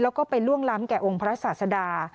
แล้วก็ไปล่วงล้ำแก่องค์พระศาสดา